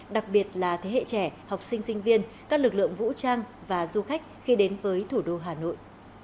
đặc biệt là thế hệ trẻ học sinh sinh viên các lực lượng vũ trang và du khách khi đến với thủ đô hà nội